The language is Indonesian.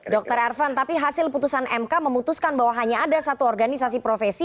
dr ervan tapi hasil putusan mk memutuskan bahwa hanya ada satu organisasi profesi